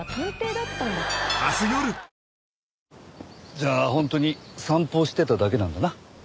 じゃあ本当に散歩をしてただけなんだな？